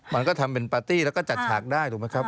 มันก็ทำเป็นปาร์ตี้แล้วก็จัดฉากได้ถูกไหมครับ